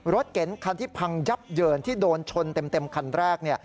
รถเก๋งคันที่พังยับเยินที่โดนชนเต็มคันแรก